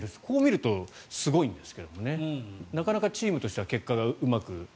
こう見るとすごいんですけどねなかなかチームとしては結果がうまく。